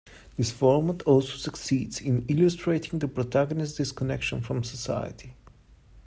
This format also succeeds in illustrating the protagonist's disconnection from society.